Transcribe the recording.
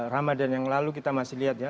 ramadan yang lalu kita masih lihat ya